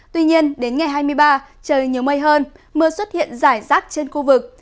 tuy nhiên đến ngày hai mươi ba trời nhiều mây hơn mưa xuất hiện rải rác trên khu vực